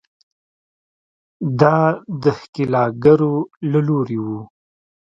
دا د ښکېلاکګرو له لوري وو.